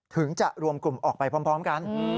ถึงจะรวมกลุ่มออกไปพร้อมกัน